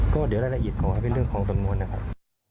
ก็เดี๋ยวรายละเอียดขอให้เป็นเรื่องของสำนวนนะครับ